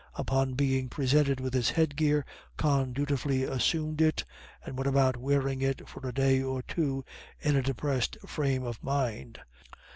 Upon being presented with this headgear, Con dutifully assumed it, and went about wearing it for a day or two in a depressed frame of mind.